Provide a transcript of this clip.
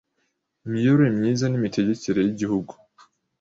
imiyoborere myiza n imitegekere y Igihugu